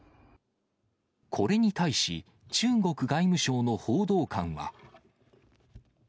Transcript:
これに対し、中国外務省の報道官は。